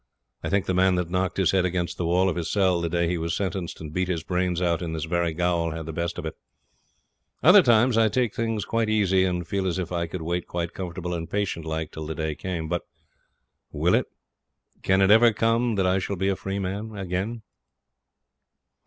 I think the man that knocked his head against the wall of his cell the day he was sentenced and beat his brains out in this very gaol had the best of it. Other times I take things quite easy, and feel as if I could wait quite comfortable and patient like till the day came. But will it? Can it ever come that I shall be a free man again?